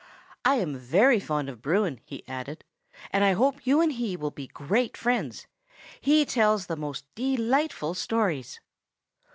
"I am very fond of Bruin," he added, "and I hope you and he will be great friends. He tells the most delightful stories."